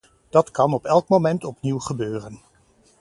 Dat kan op elk moment opnieuw gebeuren.